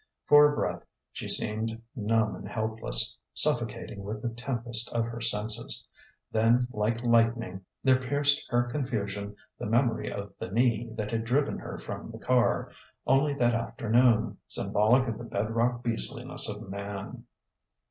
For a breath she seemed numb and helpless, suffocating with the tempest of her senses. Then like lightning there pierced her confusion the memory of the knee that had driven her from the car, only that afternoon: symbolic of the bedrock beastliness of man.